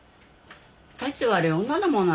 たち悪い女だもの